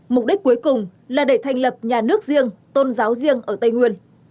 mục đích cuối cùng là để thành lập nhà nước riêng tôn giáo riêng ở tây nguyên